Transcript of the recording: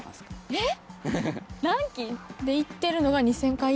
えっ！